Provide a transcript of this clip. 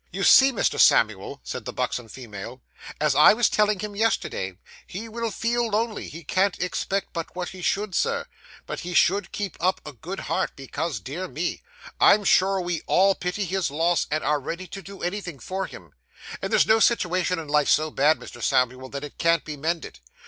'You see, Mr. Samuel,' said the buxom female, 'as I was telling him yesterday, he will feel lonely, he can't expect but what he should, sir, but he should keep up a good heart, because, dear me, I'm sure we all pity his loss, and are ready to do anything for him; and there's no situation in life so bad, Mr. Samuel, that it can't be mended.